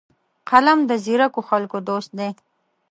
قلم د ځیرکو خلکو دوست دی